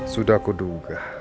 sudah aku duga